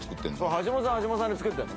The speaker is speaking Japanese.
橋本さんは橋本さんで作ってるの？